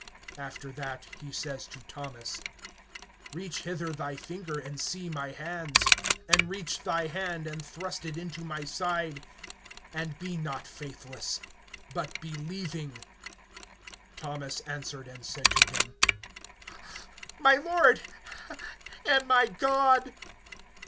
(27)After that, he says to Thomas: Reach hither thy finger, and see my hands; and reach thy hand, and thrust it into my side; and be not faithless, but believing. (28)Thomas answered and said to him: My Lord, and my God.